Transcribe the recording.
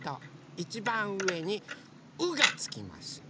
いちばんうえに「う」がつきます。